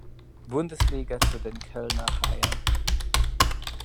Bundesliga zu den Kölner Haien.